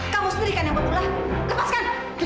kamu sendiri kan yang betullah lepaskan